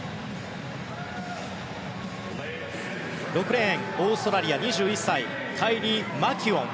６レーン、オーストラリア２１歳カイリー・マキュオン。